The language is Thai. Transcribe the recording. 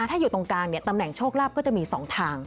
ถ้าอยู่ตรงกลางเนี่ยตำแหน่งโชคราบก็จะมีสองทาง